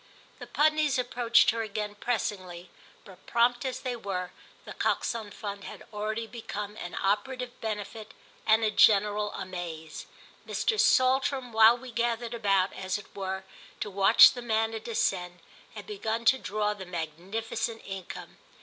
The Pudneys approached her again pressingly, but, prompt as they were, The Coxon Fund had already become an operative benefit and a general amaze: Mr. Saltram, while we gathered about, as it were, to watch the manna descend, had begun to draw the magnificent income.